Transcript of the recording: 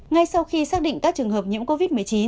ngay sau khi xác định các trường hợp nhiễm covid một mươi chín